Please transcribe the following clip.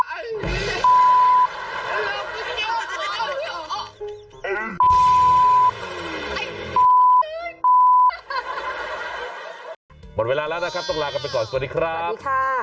หมดเวลาแล้วนะครับต้องลากลับไปก่อนสวัสดีครับ